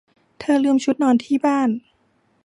เธอลืมชุดนอนที่บ้าน